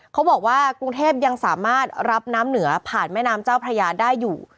เขาบอกว่ากรุงเทพยังสามารถรับน้ำเหนือผ่านแม่น้ำเจ้าพระยาได้อยู่